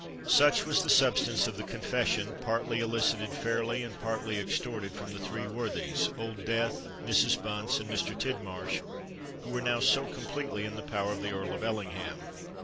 Such was the substance of the confession, partly elicited fairly and partly extorted from the three worthies—Old Death, Mrs. Bunce, and Mr. Tidmarsh—who were now so completely in the power of the Earl of Ellingham.